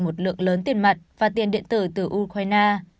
một lượng lớn tiền mặt và tiền điện tử từ ukraine